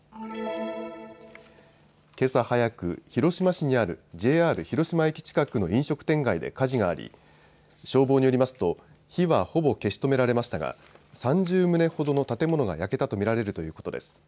けさ早く広島市にあるＪＲ広島駅近くの飲食店街で火事があり消防によりますと火はほぼ消し止められましたが３０棟ほどの建物が焼けたと見られるということです。